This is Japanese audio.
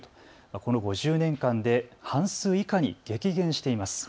この５０年間で半数以下に激減しています。